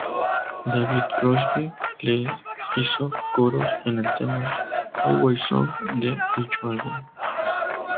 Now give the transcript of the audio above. David Crosby les hizo coros en el tema "Highway Song" de dicho álbum.